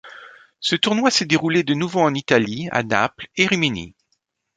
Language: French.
Ce tournoi s'est déroulé de nouveau en Italie, à Naples et Rimini.